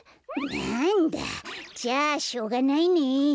なんだじゃあしょうがないね。